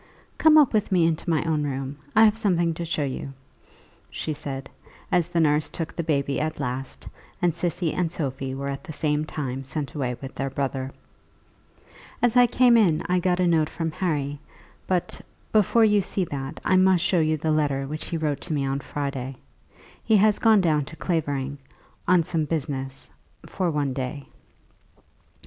"Come up with me into my own room; I have something to show you," she said, as the nurse took the baby at last; and Cissy and Sophie were at the same time sent away with their brother. "As I came in I got a note from Harry, but, before you see that, I must show you the letter which he wrote to me on Friday. He has gone down to Clavering, on some business, for one day."